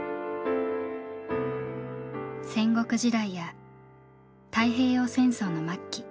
戦国時代や太平洋戦争の末期。